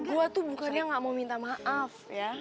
gue tuh bukannya gak mau minta maaf ya